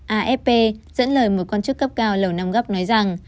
afp dẫn lời một quan chức cấp cao lầu năm góc nói rằng